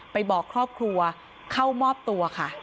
บอกครอบครัวเข้ามอบตัวค่ะ